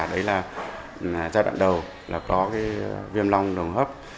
đấy là giai đoạn đầu là có cái viêm long đường hấp